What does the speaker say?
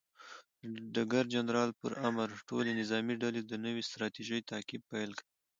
د ډګر جنرال پر امر، ټولې نظامي ډلې د نوې ستراتیژۍ تعقیب پیل کوي.